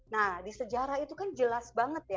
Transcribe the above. nah di sejarah itu kan jelas banget ya